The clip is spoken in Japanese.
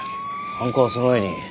犯行はその前に。